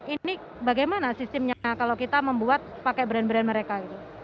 ini bagaimana sistemnya kalau kita membuat pakai brand brand mereka